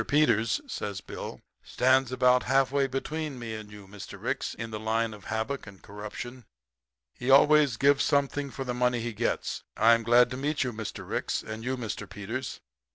Peters,' says Bill, 'stands about halfway between me and you, Mr. Ricks, in the line of havoc and corruption. He always gives something for the money he gets. I'm glad to meet you, Mr. Ricks you and Mr. Peters.